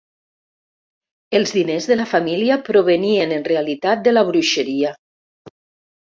Els diners de la família provenien en realitat de la bruixeria.